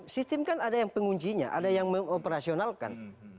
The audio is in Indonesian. sistem kan ada yang penguncinya ada yang mengoperasionalkan